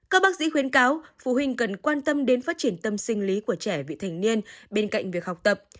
các bác sĩ khuyến cáo phụ huynh cần quan tâm đến phát triển tâm sinh lý của trẻ vị thành niên bên cạnh việc học tập